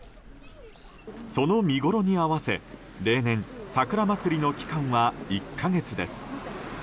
その見ごろに合わせ、例年桜まつりの期間は１か月です。